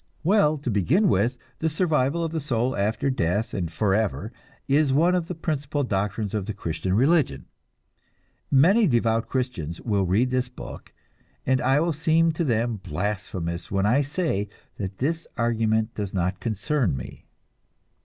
Well, to begin with, the survival of the soul after death and forever is one of the principal doctrines of the Christian religion. Many devout Christians will read this book, and I will seem to them blasphemous when I say that this argument does not concern me.